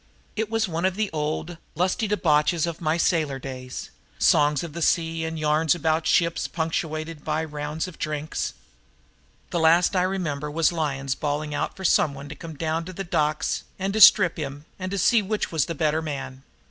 It was one of the old, lusty debauches of my sailor days songs of the sea and yarns about ships punctuated by rounds of drinks. The last I remember was Lyons bawling out for someone to come down to the docks and strip to him and see which was the better man.